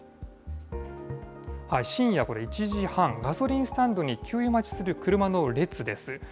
深夜１時半、ガソリンスタンドに給油待ちする車の列です。